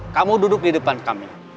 kamu duduk di depan kami